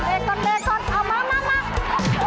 เอตเกิดเอามา